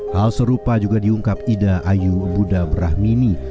hal serupa juga diungkap ida ayu budha brahhmini